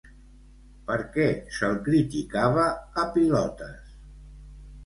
Per què se'l criticava, a Pilotes?